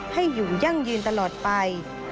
ให้อยู่ยั่งยืนตลอดไป